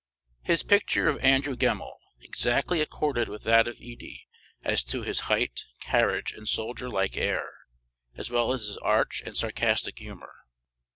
His picture of Andrew Gemmells exactly accorded with that of Edie as to his height, carriage, and soldier like air, as well as his arch and sarcastic humor.